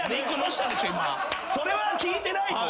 ・それは聞いてない。